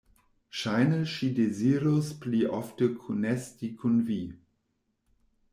Ŝajne ŝi dezirus pli ofte kunesti kun Vi!